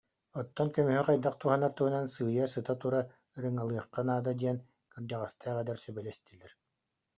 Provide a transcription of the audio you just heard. Оттон көмүһү хайдах туһанар туһунан сыыйа, сыта-тура ырыҥалыахха наада диэн кырдьаҕастаах эдэр сүбэлэстилэр